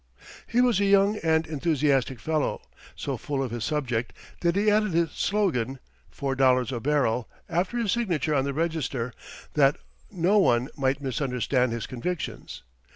_ He was a young and enthusiastic fellow, so full of his subject that he added his slogan, "$4.00 a bbl.," after his signature on the register, that no one might misunderstand his convictions.